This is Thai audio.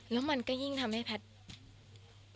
แล้วมันก็ยิ่งทำให้แพทย์